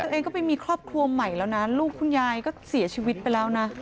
ตัวเองก็ไปมีครอบครัวใหม่แล้วนะลูกคุณยายก็เสียชีวิตไปแล้วนะ